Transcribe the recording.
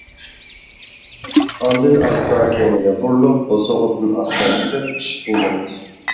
ئاندىن ئاستا كەينىگە بۇرۇلۇپ، بوسۇغىدىن ئاستا چىقىپ، ئىشىكنى ياپتى.